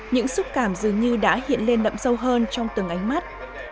những xúc cảm dường như đã hiện lên đậm sâu hơn trong từng ánh mắt